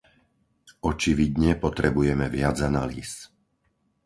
Očividne potrebujeme viac analýz.